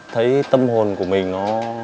thấy tâm hồn của mình nó